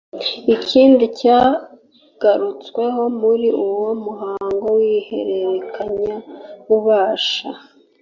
Ikindi cyagarutsweho muri uwo muhango w’ihererekanya bubasha